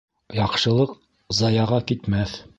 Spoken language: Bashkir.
Яҡшылыҡ заяға китмәҫ.